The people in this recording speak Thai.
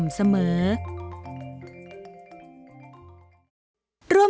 หลังจากที่ถ่ายแปรและคราดแล้วจะทำให้ได้ต้นข้าวที่งอกสม่ำเสมอ